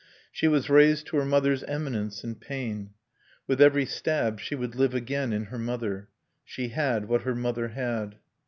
She was raised to her mother's eminence in pain. With every stab she would live again in her mother. She had what her mother had.